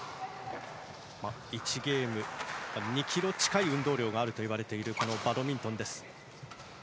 １ゲーム２ｋｍ近い運動量があるというバドミントンです。